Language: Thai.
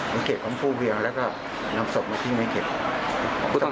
ไม่ยอมคืนที่ีกัน